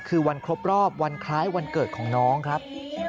คือวันครบรอบวันคล้ายวันเกิดของน้องครับ